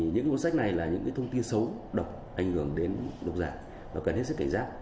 những cuốn sách này là những thông tin xấu độc ảnh hưởng đến độc giả và cần hết sức cảnh giác